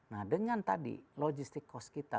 nah dengan tadi logistic cost kita